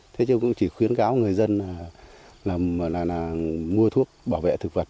thế chứ cũng chỉ khuyến cáo người dân mua thuốc bảo vệ thực vật